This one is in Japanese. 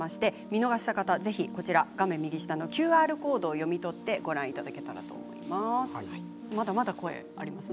見逃した方は、ぜひこちら画面右下のＱＲコードを読み取ってご覧いただければと思います。